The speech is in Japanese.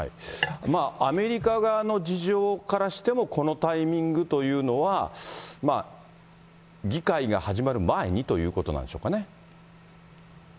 アメリカ側の事情からしても、このタイミングというのは、議会が始まる前にということなんでしょうかね。